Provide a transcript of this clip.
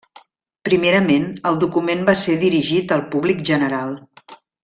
Primerament, el document va ser dirigit al públic general.